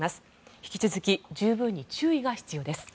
引き続き十分に注意が必要です。